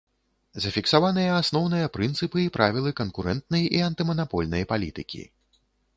Зафіксаваныя асноўныя прынцыпы і правілы канкурэнтнай і антыманапольнай палітыкі.